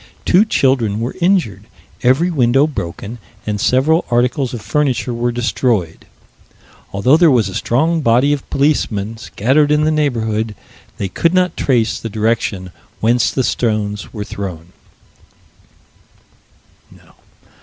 Two children were injured, every window broken, and several articles of furniture were destroyed. Although there was a strong body of policemen scattered in the neighborhood, they could not trace the direction whence the stones were thrown."